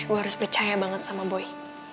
gue harus percaya banget sama boy